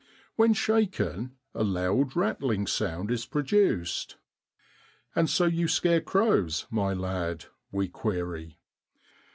When shaken a loud rattling sound is produced. 6 And so you scare crows, my lad?' we query.